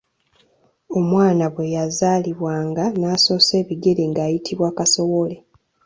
Omwana bwe yazaalibwanga n’asoosa ebigere ng’ayitibwa kasowole.